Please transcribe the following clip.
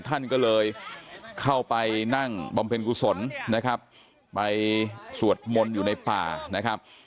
ท่านก็เลยเข้าไปนั่งบำเพ็ญกุศลนะครับไปสวดมนต์อยู่ในป่านะครับ